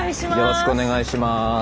よろしくお願いします。